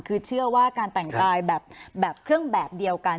คือเชื่อว่าการแต่งกายแบบเครื่องแบบเดียวกัน